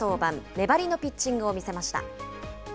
粘りのピッチングを見せました。